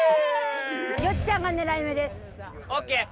よっちゃんが狙い目です。ＯＫ。